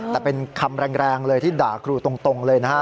แต่เป็นคำแรงเลยที่ด่าครูตรงเลยนะฮะ